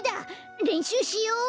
れんしゅうしようほら！